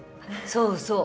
そうそう。